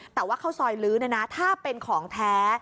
แต่ว่าข้าวซอยลื้อถ้าเป็นของแท้